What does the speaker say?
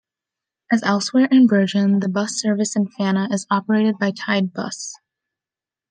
As elsewhere in Bergen, the bus service in Fana is operated by Tide Buss.